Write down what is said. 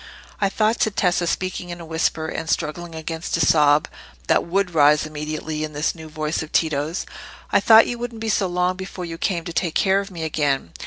"I thought," said Tessa, speaking in a whisper, and struggling against a sob that would rise immediately at this new voice of Tito's—"I thought you wouldn't be so long before you came to take care of me again.